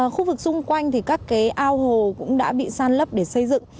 khu vực xung quanh thì các cái ao hồ cũng đã bị san lấp để xây dựng